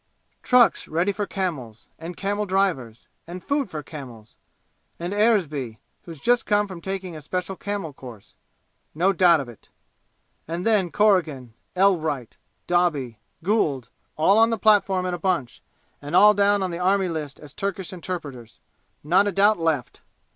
"Trucks ready for camels and camel drivers and food for camels and Eresby, who's just come from taking a special camel course. Not a doubt of it! And then, Corrigan Elwright Doby Gould all on the platform in a bunch, and all down on the Army List as Turkish interpreters! Not a doubt left!"